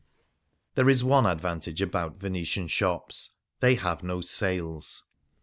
There is one advantage about Venetian shops : they have no sales !